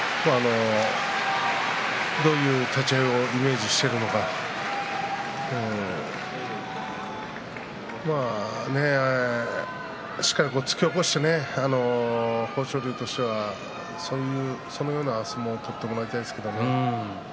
どういう立ち合いをイメージしているのかしっかり突き起こして豊昇龍としては、そのような相撲を取ってもらいたいですけど。